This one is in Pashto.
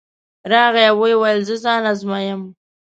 راغی او ویې ویل زه ځان ازمایم.